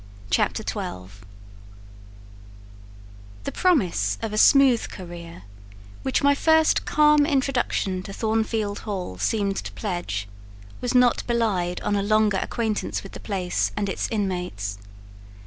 CHAPTER XII The promise of a smooth career, which my first calm introduction to Thornfield Hall seemed to pledge, was not belied on a longer acquaintance with the place and its inmates.